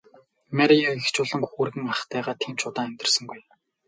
Мария эгч болон хүргэн ахтайгаа тийм ч удаан амьдарсангүй.